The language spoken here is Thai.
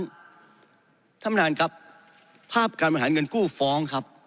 ท่านประธานครับภาพการบริหารเงินกู้ฟ้องครับ